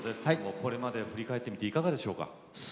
これまで振り返ってみていかがですか。